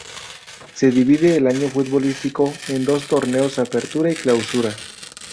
Se divide el Año Futbolístico en dos torneos Apertura y Clausura.